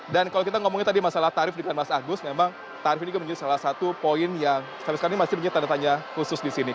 dan kalau kita ngomongin tadi masalah tarif di peran mas agus memang tarif ini juga menjadi salah satu poin yang sampai sekarang ini masih punya tanda tanya khusus di sini